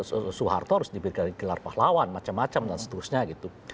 soeharto harus diberikan gelar pahlawan macam macam dan seterusnya gitu